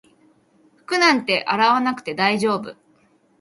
服なんて洗わなくて大丈夫